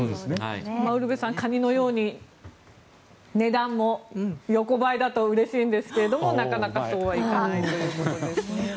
ウルヴェさんカニのように値段も横ばいだとうれしいんですけどなかなかそうはいかないということです。